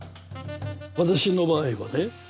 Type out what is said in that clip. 私の場合はね